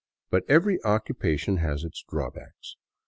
But every occupation has its draw backs.